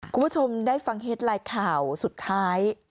คุณผู้ชมได้ฟังเฮ็ดไลน์ข่าวสุดท้าย